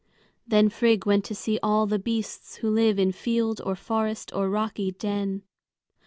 Then Frigg went to see all the beasts who live in field or forest or rocky den.